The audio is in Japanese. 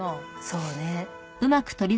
そうね。